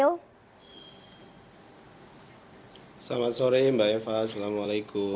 selamat sore mbak eva assalamualaikum